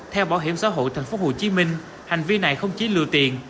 theo bảo hiểm xã hội tp hcm hành vi này không chỉ lừa tiền